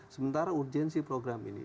sementara urgensi program ini